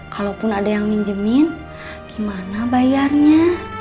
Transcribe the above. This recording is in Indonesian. kalaupun ada yang minjemin gimana bayarnya